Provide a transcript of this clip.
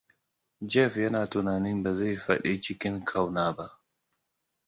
Jeff yana tunanin bazai faɗi cikin ƙauna ba.